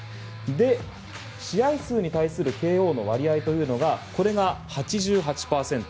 で、試合数に対するＫＯの割合というのがこれが８８％。